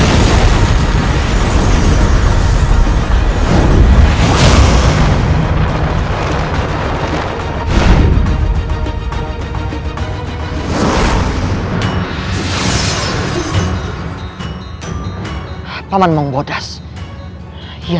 aku harus menolongnya